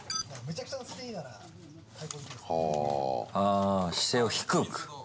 ああ、姿勢を低く。